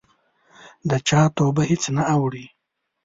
د چا توجه هېڅ نه اوړي.